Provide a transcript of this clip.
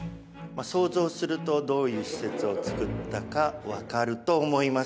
想像するとどういう施設をつくったか分かると思います。